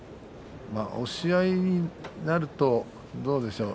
押し合いになるとどうでしょう。